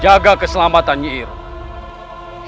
jaga keselamatan nyiroh